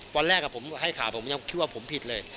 วันแรกผมให้ข่าวผมยังคิดว่าผมผิดเลย